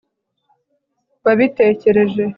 wabitekereje